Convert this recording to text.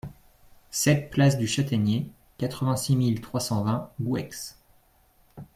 sept place du Chataigner, quatre-vingt-six mille trois cent vingt Gouex